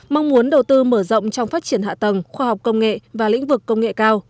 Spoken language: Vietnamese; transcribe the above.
mong muốn đầu tư mở rộng trong phát triển hạ tầng khoa học công nghệ và lĩnh vực công nghệ cao